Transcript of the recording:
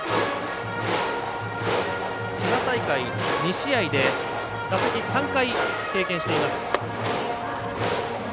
滋賀大会２試合で打席３回経験しています。